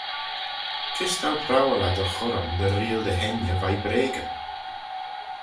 Kys t'ou prowal eh dty churrym dy reayll dty 'hengey veih breagyn?